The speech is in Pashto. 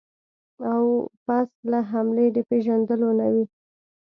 او پس له حملې د پېژندلو نه وي.